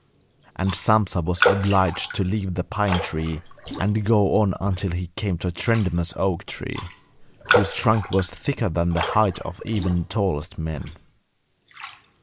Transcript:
And Sampsa was obliged to leave the pine tree and go on until he came to a tremendous oak tree, whose trunk was thicker than the height of even the tallest men.